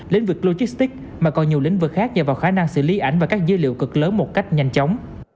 lĩnh vực logistics mà còn nhiều lĩnh vực khác nhờ vào khả năng xử lý ảnh và các dữ liệu cực lớn một cách nhanh chóng